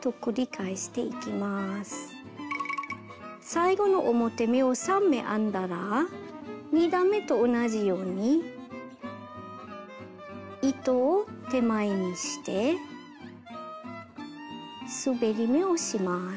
最後の表目を３目編んだら２段めと同じように糸を手前にしてすべり目をします。